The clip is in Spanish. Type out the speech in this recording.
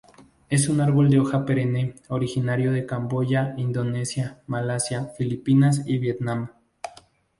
Es un árbol de hoja perenne originario de Camboya, Indonesia, Malasia, Filipinas y Vietnam.